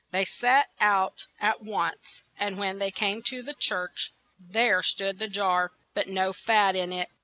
" They set out at once, and when they came to the church, there stood the jar, but no fat in it.